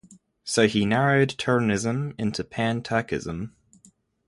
So he narrowed Turanism into Pan-Turkism.